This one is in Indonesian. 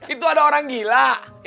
itu ada orang gila